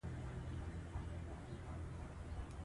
موږ باید د کورنۍ د ټولو غړو روغتیا ته پاملرنه وکړو